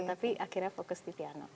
tapi akhirnya fokus di piano